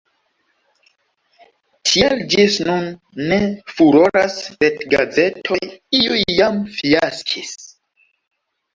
Tial ĝis nun ne furoras retgazetoj, iuj jam fiaskis.